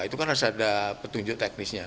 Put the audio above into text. itu kan harus ada petunjuk teknisnya